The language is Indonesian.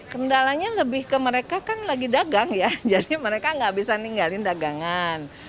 kendalanya lebih ke mereka kan lagi dagang ya jadi mereka nggak bisa ninggalin dagangan